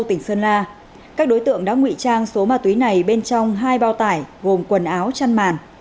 tỉnh sơn la các đối tượng đã ngụy trang số ma túy này bên trong hai bao tải gồm quần áo chăn màn